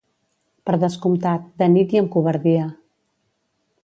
Per descomptat, de nit i amb covardia.